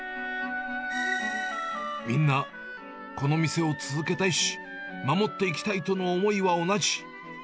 みんな、この店を続けたいし、守っていきたいとの思いは同じ。